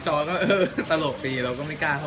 มันไม่รู้ว่าเห็นเรียงแล้วผมไม่รู้